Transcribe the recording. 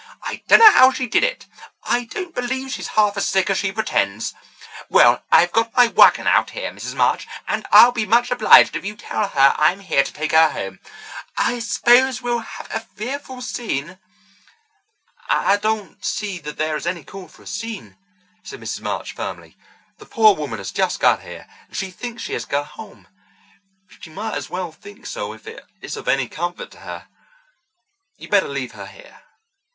I dunno how she did it. I don't believe she's half as sick as she pretends. Well, I've got my wagon out here, Mrs. March, and I'll be much obliged if you'll tell her I'm here to take her home. I s'pose we'll have a fearful scene." "I don't see that there is any call for a scene," said Mrs. March firmly. "The poor woman has just got here, and she thinks she has got home. She might as well think so if it is of any comfort to her. You'd better leave her here."